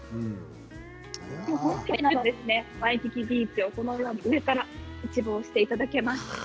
ワイキキビーチをこのように上から一望していただけます。